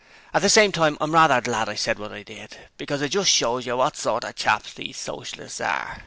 At the same time I'm rather glad I said what I did, because it just shows you what sort of chaps these Socialists are.